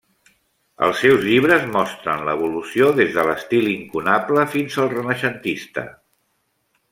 Els seus llibres mostren l’evolució des de l’estil incunable fins al renaixentista.